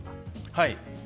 はい。